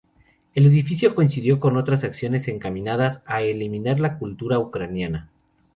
El edicto coincidió con otras acciones encaminadas a eliminar la cultura ucraniana.